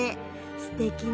すてきね。